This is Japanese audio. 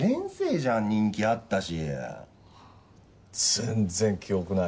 全然記憶ないわ。